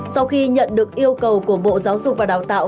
sau khi nhận được yêu cầu của bộ giáo dục và đào tạo